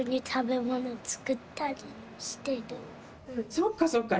そっかそっか。